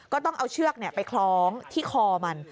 ก็ต้องเอาเชือกไปคล้องที่คอมัน